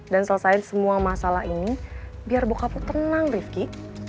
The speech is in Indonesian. dan selesain semua masalah ini biar bokap lo tenang rifqi